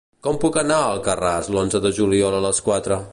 Com puc anar a Alcarràs l'onze de juliol a les quatre?